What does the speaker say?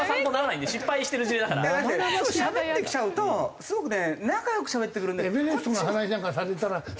しゃべってきちゃうとすごくね仲良くしゃべってくるんで。